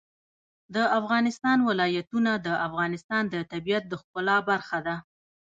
د افغانستان ولايتونه د افغانستان د طبیعت د ښکلا برخه ده.